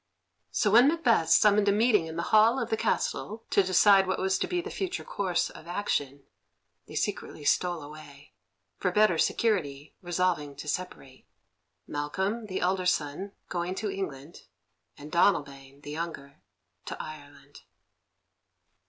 So when Macbeth summoned a meeting in the hall of the castle to decide what was to be the future course of action, they secretly stole away, for better security resolving to separate, Malcolm, the elder son, going to England, and Donalbain, the younger, to Ireland.